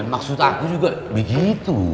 maksud aku juga begitu